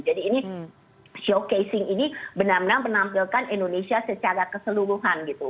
jadi ini showcasing ini benar benar menampilkan indonesia secara keseluruhan gitu